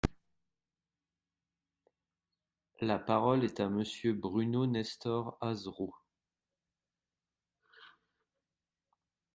La parole est à Monsieur Bruno Nestor Azerot.